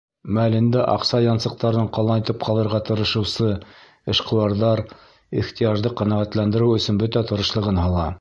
Мәлендә аҡса янсыҡтарын ҡалынайтып ҡалырға тырышыусы эшҡыуарҙар ихтыяжды ҡәнәғәтләндереү өсөн бөтә тырышлығын һала.